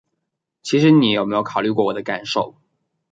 其实你有没有考虑过我的感受？